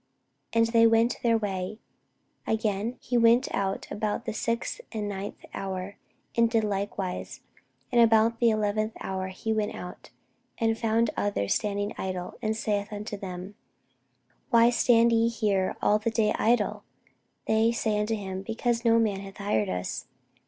And they went their way. Again he went out about the sixth and ninth hour, and did likewise. And about the eleventh hour he went out, and found others standing idle, and saith unto them, Why stand ye here all the day idle? They say unto him, Because no man hath hired us.